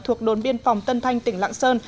thuộc đồn biên phòng tân thanh tỉnh lạng sơn